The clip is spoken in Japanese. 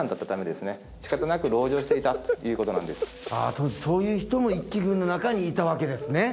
当時そういう人も一揆軍の中にいたわけですね。